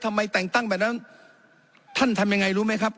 ทำไมแต่งตั้งแบบนั้นท่านทำยังไงรู้ไหมครับ